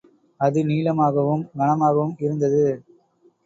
அது நீளமாகவும், கனமாகவும் இருந்தது.